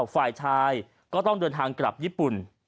ฝ่ายชายก็ต้องเดินทางกลับญี่ปุ่น